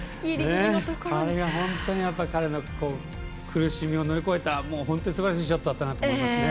あれが本当に彼の彼の苦しみを乗り越えたすばらしいショットだったと思います。